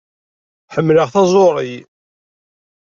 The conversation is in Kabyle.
Ḥemmleɣ taẓuṛi.